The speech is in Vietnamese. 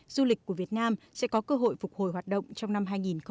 du lịch của việt nam sẽ có cơ hội phục hồi hoạt động trong năm hai nghìn hai mươi